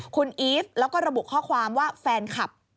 คุณอีฟแล้วก็ระบุข้อความว่าแฟนคลับ